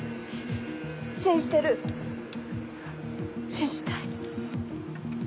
信じてる信じたい。